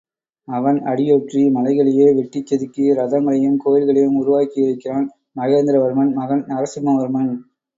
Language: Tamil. அவன் அடியொற்றி மலைகளையே வெட்டிச் செதுக்கி ரதங்களையும் கோயில்களையும் உருவாக்கியிருக்கிறான் மகேந்திர வர்மன் மகன் நரசிம்மவர்மன்.